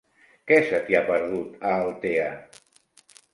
Què se t'hi ha perdut, a Altea?